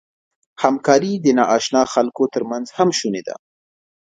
همکاري د ناآشنا خلکو تر منځ هم شونې ده.